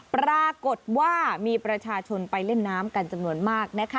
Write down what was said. ปรากฏว่ามีประชาชนไปเล่นน้ำกันจำนวนมาก